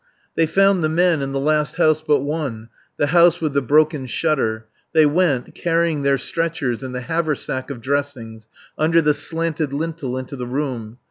They found the men in the last house but one, the house with the broken shutter. They went, carrying their stretchers and the haversack of dressings, under the slanted lintel into the room.